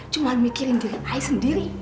cuma mikirin diri ais sendiri